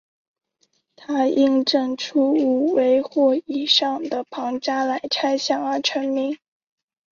他因证出五维或以上的庞加莱猜想而成名。